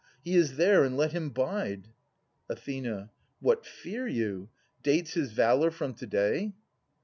He is there, and let him bide. Ath. What fear you ? Dates his valour from to day